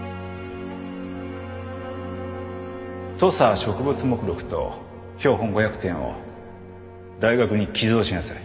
土佐植物目録と標本５００点を大学に寄贈しなさい。